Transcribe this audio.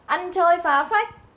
ăn chơi phá phách